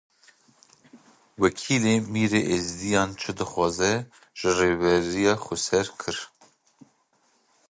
Wekîlê Mîrê Êzidiyan çi daxwaz ji Rêveberiya Xweser kir?